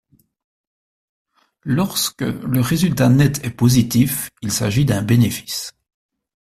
Lorsque le résultat net est positif il s'agit d'un bénéfice.